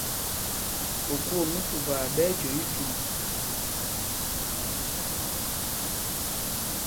Okuu o mí Pupaa ɓɛ́ ɛ́ jüe tí jûm okuu.